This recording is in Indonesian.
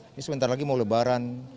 ini sebentar lagi mau lebaran